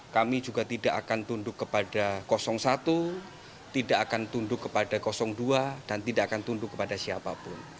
kami juga tidak akan tunduk kepada satu tidak akan tunduk kepada dua dan tidak akan tunduk kepada siapapun